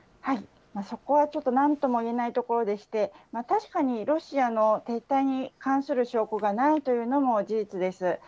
そこはちょっとなんとも言えないところでして、確かにロシアの撤退に関する証拠がないというのも事実です。